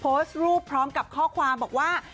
โพสต์รูปพร้อมกับข้อความบอกว่า